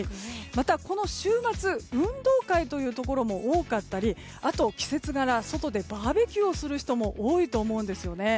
また、この週末運動会というところも多かったり季節柄、外でバーベキューをする人も多いと思うんですよね。